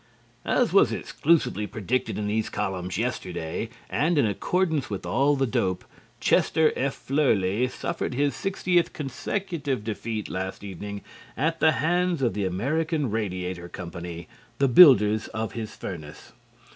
As was exclusively predicted in these columns yesterday and in accordance with all the dope, Chester H. Flerlie suffered his sixtieth consecutive defeat last evening at the hands of the American Radiator Company, the builders of his furnace.